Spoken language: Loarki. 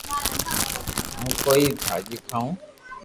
ھون ڪوئي ڀاجي کاوِ